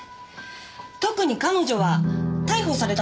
特に彼女は逮捕された